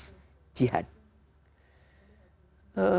dengan belajar yang begitu dalam dan begitu keras